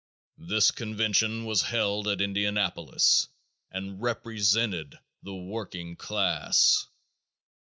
This convention was held at Indianapolis and represented the working class.